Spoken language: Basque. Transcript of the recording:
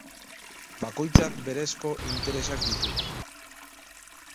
Bakoitzak berezko interesak ditu.